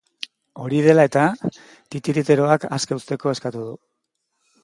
Hori dela eta, titiriteroak aske uzteko eskatu du.